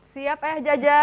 siap ayah jaja